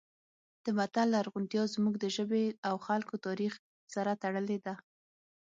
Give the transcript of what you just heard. د متل لرغونتیا زموږ د ژبې او خلکو تاریخ سره تړلې ده